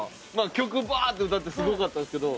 曲バーッと歌ってすごかったですけど。